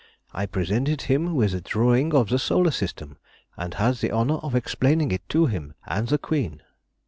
I presented him with the drawing of the solar system, and had the honour of explaining it to him and the Queen.